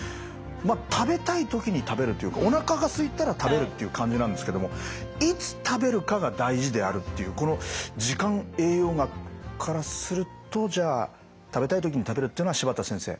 まあ食べたい時に食べるというかおなかがすいたら食べるという感じなんですけども「いつ食べるかが大事である」というこの時間栄養学からするとじゃあ食べたい時に食べるっていうのは柴田先生